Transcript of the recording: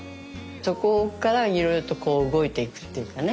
そこからいろいろとこう動いていくっていうかね